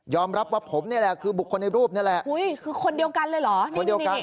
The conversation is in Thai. ยอมรับว่าผมเนี่ยแหละคือบุคคลในรูปเนี่ยแหละอุ้ยคือคนเดียวกันเลยเหรอ